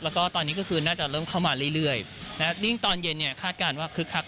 ร้านตัดผมกับร้านนวดที่ทีมข่าวของเราไปดูวันนี้นะครับท่านผู้ชมครับ